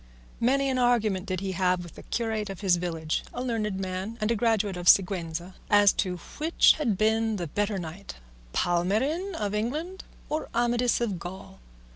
Many an argument did he have with the curate of his village (a learned man, and a graduate of Siguenza) as to which had been the better knight, Palmerin of England or Amadis of Gaul.